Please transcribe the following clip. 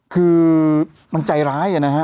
คือมันใจร้ายนะฮะ